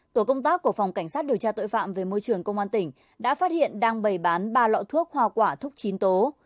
tổ công tác của phòng cảnh sát điều tra tội phạm về môi trường công an tỉnh đã phát hiện đang bày bán ba lọ thuốc hoa quả thuốc chín tố